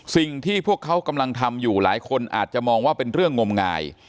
สิ่งที่พวกเขากำลังทำอยู่หลายคนอาจจะมองว่าเป็นเรื่องงมงาย